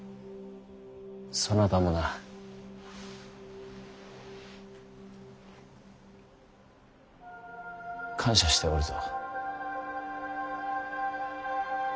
そなたもな。感謝しておるぞ。